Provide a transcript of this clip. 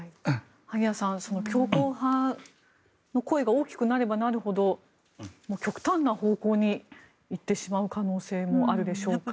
萩谷さん、強硬派の声が大きくなればなるほど極端な方向に行ってしまう可能性もあるでしょうか。